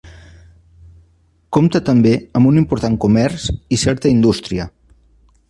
Compta també amb un important comerç i certa indústria.